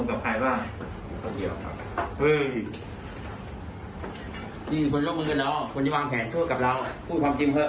เกมของพี่สาว